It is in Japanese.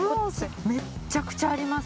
めっちゃくちゃあります。